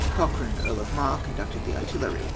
Cochran, Earl of Mar, conducted the artillery.